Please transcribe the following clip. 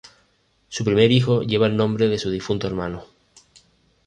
Su primer hijo lleva el nombre de su difunto hermano.